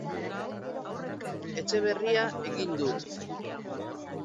Etxe berria egin duk.